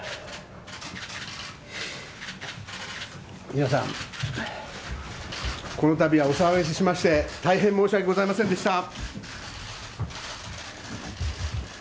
皆さん、この度はお騒がせしまして大変申し訳ございませんでした。